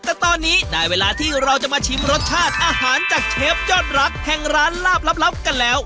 แต่ตอนนี้ได้เวลาที่เราจะมาชิมรสชาติอาหารจากเชฟยอดรักแห่งร้านลาบลับกันแล้ว